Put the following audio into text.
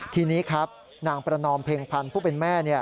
ทีนี้ครับนางประนอมเพ็งพันธ์ผู้เป็นแม่